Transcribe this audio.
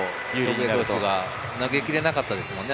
投げきれなかったですよね。